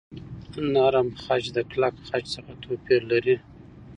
نرم خج د کلک خج څخه توپیر لري.